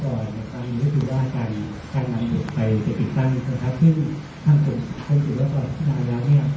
ก็คือห้างที่ใดต้องแจ้งแก้ไขเปลี่ยนแจ้งมิหรือขอต่อตัวทำไม